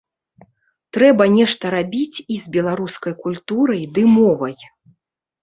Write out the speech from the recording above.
Трэба нешта рабіць і з беларускай культурай ды мовай.